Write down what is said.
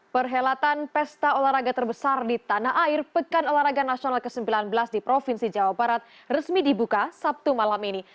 perhelatan pesta olahraga terbesar di tanah air pekan olahraga nasional ke sembilan belas di provinsi jawa barat resmi dibuka sabtu malam ini